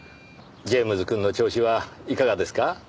ジェームズくんの調子はいかがですか？